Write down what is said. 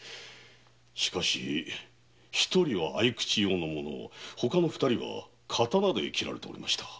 しかし一人は匕首ようのもので他の二人は刀で斬られておりました。